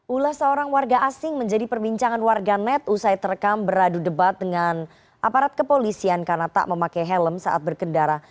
ulas seorang warga asing menjadi perbincangan warga net usai terekam beradu debat dengan aparat kepolisian karena tak memakai helm saat berkendara